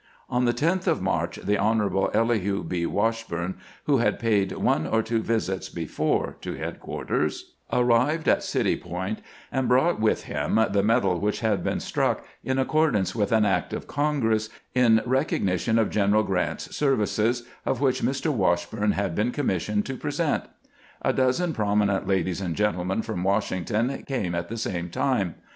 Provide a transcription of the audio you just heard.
" On the 10th of March the Hon. Elihu B. "Washburne, who had paid one or two visits before to headquarters, ^nunzmoH itSi ELIHU B. WASHBUKNE. GKANT KECEIVES A MEDAL FKOM OONGEESS 393 arrived at City Point, and brought with him the medal which had been struck, in accordance with an act of Congress, in recognition of G eneral Grant's services, and which Mr. Washburne had been commissioned to present. A dozen prominent ladies and gentlemen from "Washington came at the same time.